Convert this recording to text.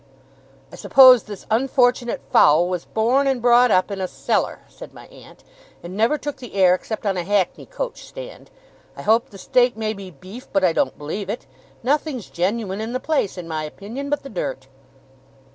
'I suppose this unfortunate fowl was born and brought up in a cellar,' said my aunt, 'and never took the air except on a hackney coach stand. I hope the steak may be beef, but I don't believe it. Nothing's genuine in the place, in my opinion, but the dirt.